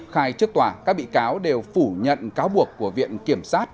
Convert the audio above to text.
khai trước tòa các bị cáo đều phủ nhận cáo buộc của viện kiểm sát